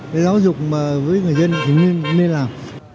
cái giáo dục mà với người dân thì nên làm